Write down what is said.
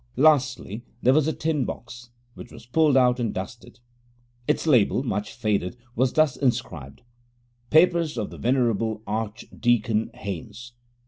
Lastly, there was a tin box, which was pulled out and dusted. Its label, much faded, was thus inscribed: 'Papers of the Ven. Archdeacon Haynes.